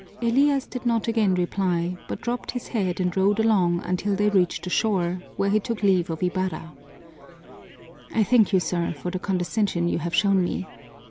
Elias did not again reply, but dropped his head and rowed along until they reached the shore, where he took leave of Ibarra: "I thank you, sir, for the condescension you have shown me.